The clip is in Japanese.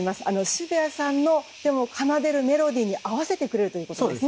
渋谷さんの奏でるメロディーに合わせてくれるということですね。